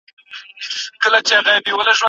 د کور سودا لپاره باید پلان ولرو او غور وکړو.